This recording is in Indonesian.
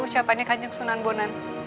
ucapannya kanjeng sunan bonan